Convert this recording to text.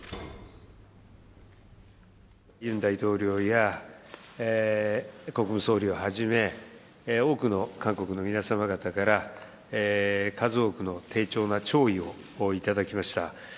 ユン大統領や国務総理をはじめ、多くの韓国の皆様方から、数多くの丁重な弔意を頂きました。